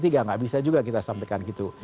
tidak bisa juga kita sampaikan gitu